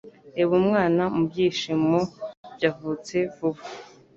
Reba Umwana mubyishimo byavutse vuba pe